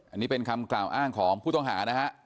อันนี้เป็นคำกล่าวอ้างของผู้ต้องหานะฮะ